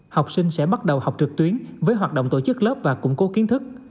học sinh sẽ bắt đầu học trực tuyến với hoạt động tổ chức lớp và củng cố kiến thức